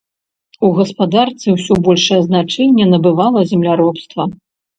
У гаспадарцы ўсё большае значэнне набывала земляробства.